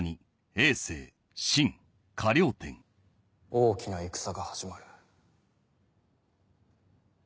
大きな戦が始まる。